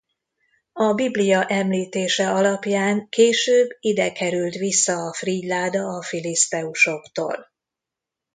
A Biblia említése alapján később ide került vissza a frigyláda a filiszteusoktól.